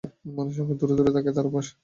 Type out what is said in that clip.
মানুষের সঙ্গে দূরে দূরে থাকাই তাঁর অভ্যাস।